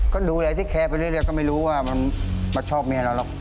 ก็ดูแลที่แคร์ไปเรื่อยก็ไม่รู้ว่ามันมาชอบเมียเราหรอก